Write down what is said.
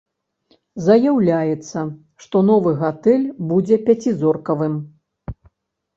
Заяўляецца, што новы гатэль будзе пяцізоркавым.